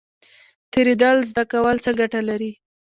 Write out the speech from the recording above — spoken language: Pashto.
تیریدل زده کول څه ګټه لري؟